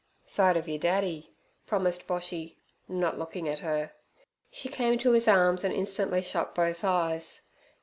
'Side ov yer daddy' promised Boshy, not looking at her. She came to his arms and instantly shut both eyes.